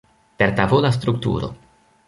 Tertavola strukturo.